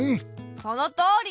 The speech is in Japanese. そのとおり！